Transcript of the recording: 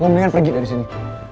mendingan pergi dari sini